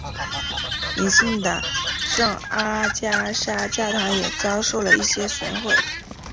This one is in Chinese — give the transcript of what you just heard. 邻近的圣阿加莎教堂也遭受了一些损毁。